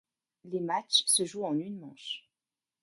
Les matchs se jouent en une manche.